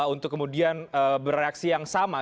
untuk kemudian bereaksi yang sama